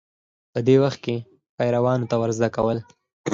په دې وخت کې پیروانو ته ورزده کول